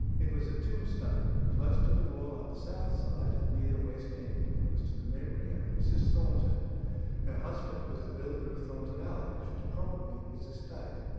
It was a tombstone, "close to the wall on the south side, and near the west end," and was to the memory of a Mrs. Thornton. Her husband was the builder of Thornton Alley, which was probably his estate.